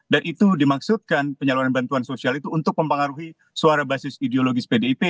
dan itu dimaksudkan penyaluran bantuan sosial itu untuk mempengaruhi suara basis ideologis pdip